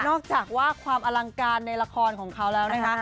จากว่าความอลังการในละครของเขาแล้วนะคะ